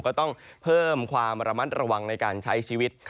ก็ต้องเพิ่มความระมัดระวังในการใช้ชีวิต